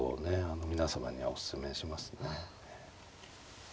皆様にはおすすめしますね。